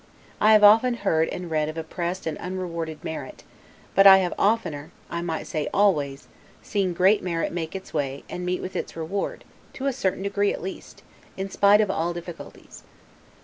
I have often heard and read of oppressed and unrewarded merit, but I have oftener (I might say always) seen great merit make its way, and meet with its reward, to a certain degree at least, in spite of all difficulties.